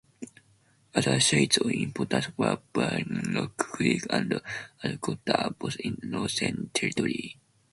Other sites of importance were Bullock Creek and Alcoota, both in the Northern Territory.